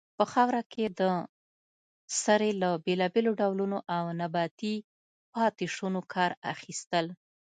په خاوره کې د سرې له بیلابیلو ډولونو او نباتي پاتې شونو کار اخیستل.